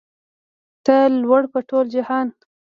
ته لوړ په ټول جهان